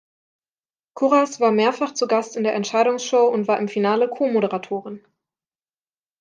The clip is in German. Kurras war mehrfach zu Gast in der Entscheidungsshow und war im Finale Co-Moderatorin.